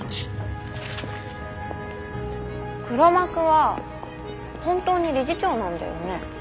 黒幕は本当に理事長なんだよね？